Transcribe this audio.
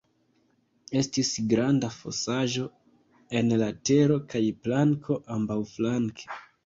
Estis granda fosaĵo en la tero kaj planko ambaŭflanke.